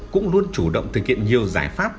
cũng luôn chủ động thực hiện nhiều giải pháp